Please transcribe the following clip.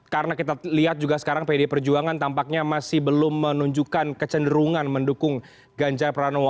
karena kita lihat juga sekarang pdi perjuangan tampaknya masih belum menunjukkan kecenderungan mendukung ganjar pranowo